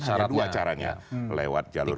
hanya dua caranya lewat jalur